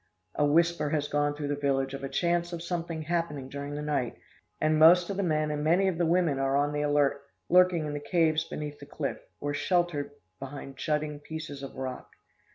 A whisper has gone through the village of a chance of something happening during the night, and most of the men and many of the women are on the alert, lurking in the caves beneath the cliff, or sheltered behind jutting pieces of rock.